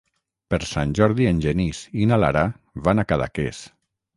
Per Sant Jordi en Genís i na Lara van a Cadaqués.